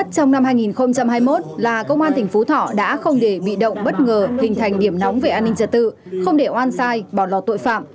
công an tỉnh phú thọ đã không để bị động bất ngờ hình thành điểm nóng về an ninh trật tự không để oan sai bỏ lọt tội phạm